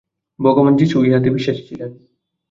ভগবান যীশুও ইহাতে বিশ্বাসী ছিলেন।